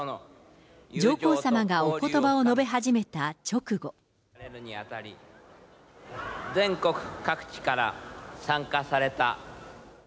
上皇さまがおことばを述べ始めた全国各地から参加された。